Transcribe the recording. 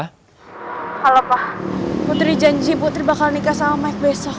halo pak putri janji janji putri bakal nikah sama mike besok